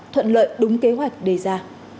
thuận lợi đúng kế hoạch đề ra